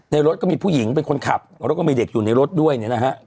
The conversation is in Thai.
รถก็มีผู้หญิงเป็นคนขับแล้วก็มีเด็กอยู่ในรถด้วยเนี่ยนะฮะ